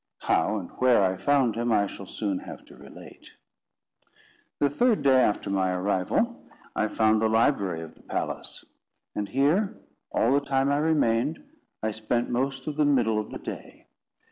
How and where I found him, I shall soon have to relate. The third day after my arrival, I found the library of the palace; and here, all the time I remained, I spent most of the middle of the day.